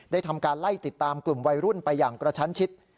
ทำการไล่ติดตามกลุ่มวัยรุ่นไปอย่างกระชั้นชิด